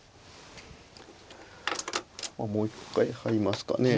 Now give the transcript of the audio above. もう一回ハイますか。